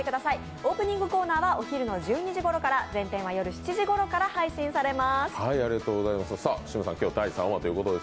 オープニングコーナーはお昼１２時ごろから全編は夜７時ごろからです。